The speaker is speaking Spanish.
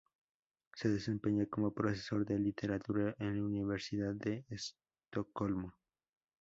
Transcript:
Se desempeña como profesor de literatura en la Universidad de Estocolmo.